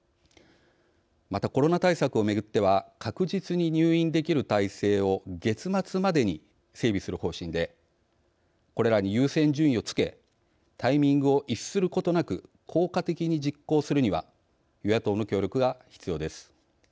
また、コロナ対策をめぐっては確実に入院できる体制を月末までに整備する方針でこれらに優先順位を付けタイミングを逸することなく効果的に実行するには与野党の協力が必要です。